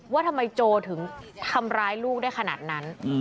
ว่าทำไมโจถึงทำร้ายลูกได้ขนาดนั้น